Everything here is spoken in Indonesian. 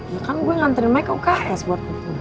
ya kan gue nganterin mike ke uks buat ngajak